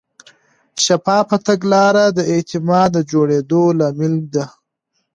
شفافه تګلاره د اعتماد د جوړېدو لامل ده.